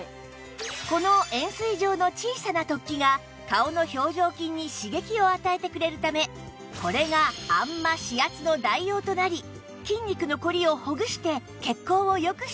この円すい状の小さな突起が顔の表情筋に刺激を与えてくれるためこれがあんま・指圧の代用となり筋肉のこりをほぐして血行をよくしてくれるんです